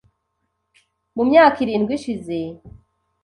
mu myaka irindwi ishize